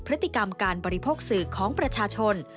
พฤติกรรมการบริโภคสื่อของประชาชน